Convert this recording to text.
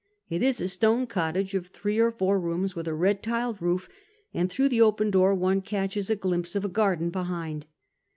It is a stone cottage of thro(3 or four rooms, with a red tiled roof, and through the open door one catches a glimpse of a garden behind.